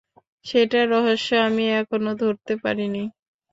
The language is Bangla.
সেটার রহস্য আমি এখনো ধরতে পারি নি।